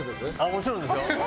もちろんですよ。